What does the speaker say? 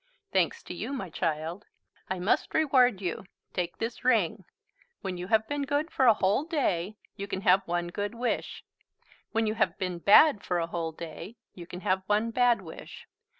"Thanks to you, my child. I must reward you. Take this ring. When you have been good for a whole day, you can have one good wish; when you have been bad for a whole day, you can have one bad wish.